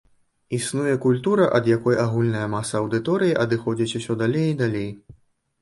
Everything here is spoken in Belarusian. Існуе культура, ад якой агульная маса аўдыторыі адыходзіць усё далей і далей.